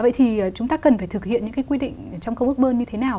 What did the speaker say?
vậy thì chúng ta cần phải thực hiện những cái quy định trong công ước bơn như thế nào